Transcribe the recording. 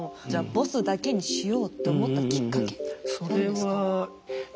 ボスだけにしようって思ったきっかけって何ですか？